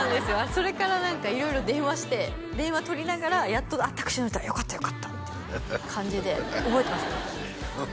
それから何か色々電話して電話とりながらタクシー乗ったよかったよかったみたいな感じで覚えてます覚えてます